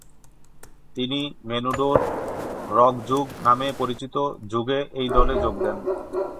তিনি "মেনুডো"র "রক যুগ" নামে পরিচিত যুগে এই দলে যোগ দেন।